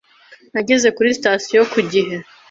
Nageze kuri sitasiyo ku gihe.